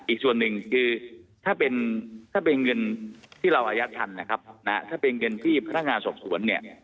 อีกส่วนหนึ่งคือถ้าเป็นถ้าเป็นเงินที่เราอายัดทันนะครับถ้าเป็นเงินที่พนักงานสอบสวนเนี่ย